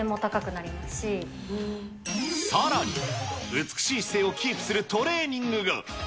さらに、美しい姿勢をキープするトレーニングが。